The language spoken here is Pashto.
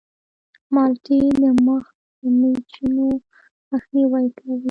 مالټې د مخ د چینو مخنیوی کوي.